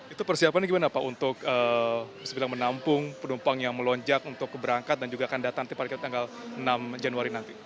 itu persiapannya gimana pak untuk menampung penumpang yang melonjak untuk keberangkat dan juga akan datang pada tanggal enam januari nanti